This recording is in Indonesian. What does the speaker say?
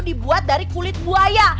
dibuat dari kulit bu aya